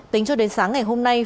tính cho đến sáng ngày hôm nay